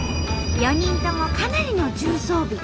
４人ともかなりの重装備。